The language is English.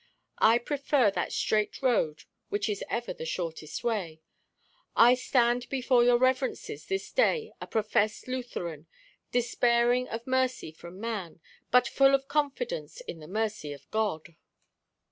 I prefer that straight road which is ever the shortest way. I stand before your reverences this day a professed Lutheran, despairing of mercy from man, but full of confidence in the mercy of God."